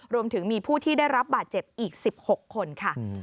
รวมถึงมีผู้ที่ได้รับบาดเจ็บอีก๑๖คนค่ะ